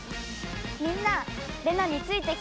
みんなレナについてきてね！